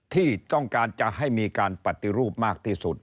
ที่ต้องการจะให้มีการปฏิรูปมากที่สุด